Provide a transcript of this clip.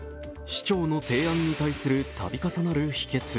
市長の提案に対する度重なる否決。